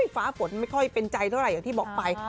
ฟ้าฝนไม่ค่อยเป็นใจเท่าไหร่อย่างที่บอกไป